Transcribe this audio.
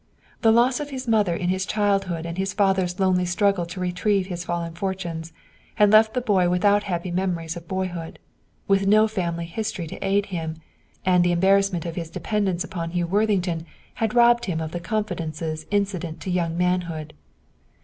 The loss of his mother in his childhood and his father's lonely struggle to retrieve his fallen fortunes had left the boy without happy memories of boyhood, with no family history to aid him, and the embarrassment of his dependence upon Hugh Worthington had robbed him of the confidences incident to young manhood.